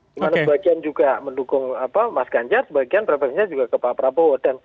dimana sebagian juga mendukung mas ganjar sebagian preferensinya juga ke pak prabowo